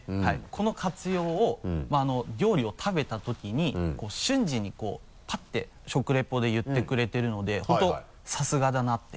この活用を料理を食べたときに瞬時にこうパッて食リポで言ってくれているので本当にさすがだなって。